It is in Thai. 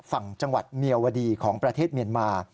ฝั่งจังหวัดเมียวดีของประเทศเมียนมา